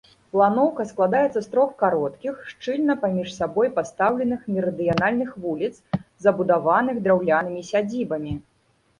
Планоўка складаецца з трох кароткіх, шчыльна паміж сабой пастаўленых мерыдыянальных вуліц, забудаваных драўлянымі сядзібамі.